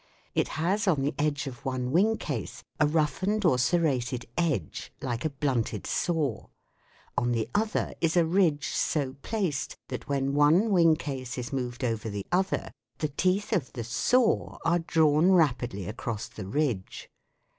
It has on the edge of one wing case a roughened or serrated edge, like a blunted saw ; on the other is & ridge so placed that when one wing case is moved over the other the teeth of the " saw " are drawn rapidly across the ridge.